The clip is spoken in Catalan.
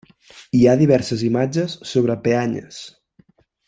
Hi ha diverses imatges sobre peanyes.